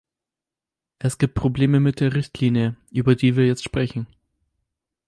Es gibt Probleme mit der Richtlinie, über die wir jetzt sprechen.